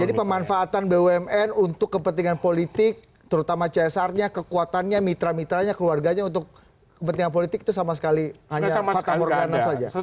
jadi pemanfaatan bumn untuk kepentingan politik terutama csr nya kekuatannya mitra mitranya keluarganya untuk kepentingan politik itu sama sekali hanya patah morgana saja